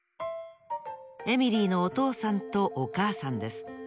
エミリーのおとうさんとおかあさんです。